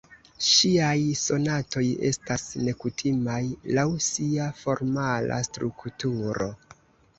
Ŝiaj sonatoj estas nekutimaj laŭ sia formala strukturo.